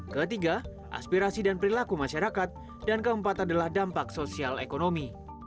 ketiga aspirasi dan perilaku masyarakat dan keempat adalah dampak sosial ekonomi